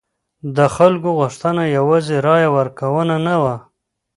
د خلکو غوښتنه یوازې رایه ورکونه نه وه.